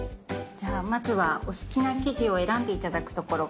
じゃあまずはお好きな生地を選んでいただくところから。